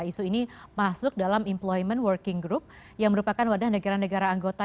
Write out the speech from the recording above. isu ini masuk dalam employment working group yang merupakan wadah negara negara anggota